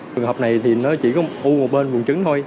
trường hợp này thì nó chỉ có u một bên vùng trứng thôi